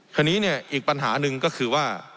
คราวนี้เนี่ยอีกปัญหาหนึ่งก็คือว่า